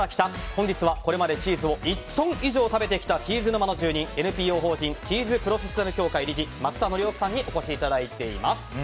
本日は、これまでチーズを１トン以上食べてきたチーズ沼の住人ＮＰＯ法人チーズプロフェッショナル協会理事、桝田規夫さんにお越しいただいています。